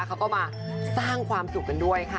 เขาก็มาสร้างความสุขกันด้วยค่ะ